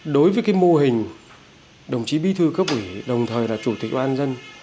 đối với mô hình đồng chí bí thư cấp ủy đồng thời là chủ tịch ủy ban dân